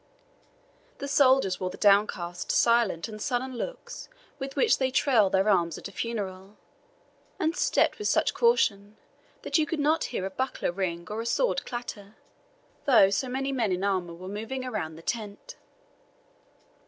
The soldiers wore the downcast, silent, and sullen looks with which they trail their arms at a funeral, and stepped with such caution that you could not hear a buckler ring or a sword clatter, though so many men in armour were moving around the tent.